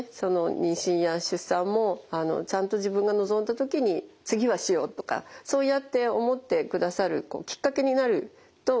妊娠や出産もちゃんと自分が望んだ時に次はしようとかそうやって思ってくださるきっかけになると私は思います。